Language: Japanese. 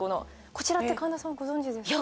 こちらって神田さんご存じですか？